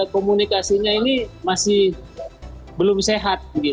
komunikasinya ini masih belum sehat